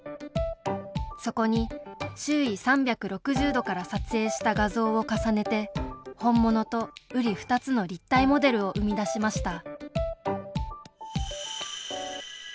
そこに周囲３６０度から撮影した画像を重ねて本物とうり二つの立体モデルを生み出しました